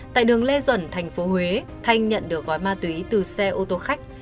tại đường lê duẩn thành phố huế thanh nhận được gói ma túy từ xe ô tô khách